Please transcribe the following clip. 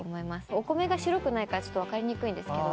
お米が白くないからちょっと分かりにくいんですけど。